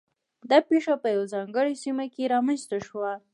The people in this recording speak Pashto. دا پېښه په یوه ځانګړې سیمه کې رامنځته شوه